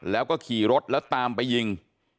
แล้วก็ขี่รถแล้วตามไปยิง